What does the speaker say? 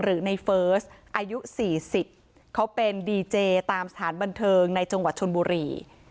หรือในเฟิร์สอายุ๔๐เขาเป็นดีเจตามสถานบันเทิงในจังหวัดชนบุรี